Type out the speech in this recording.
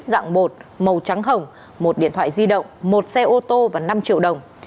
dạng bột màu trắng hồng một điện thoại di động một xe ô tô và năm triệu đồng